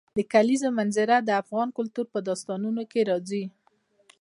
د کلیزو منظره د افغان کلتور په داستانونو کې راځي.